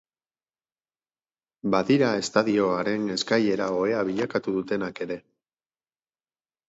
Badira estadioaren eskailera ohea bilakatu dutenak ere.